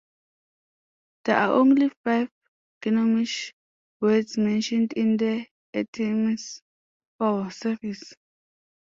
There are only five Gnommish words mentioned in the "Artemis Fowl" series.